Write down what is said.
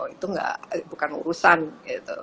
itu bukan urusan gitu